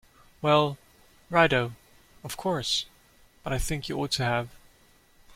Well, right-ho, of course, but I think you ought to have.